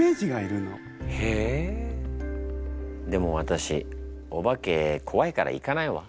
でもわたしお化けこわいから行かないわ。